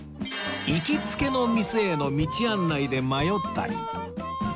行きつけの店への道案内で迷ったり